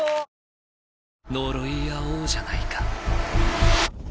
呪い合おうじゃないか。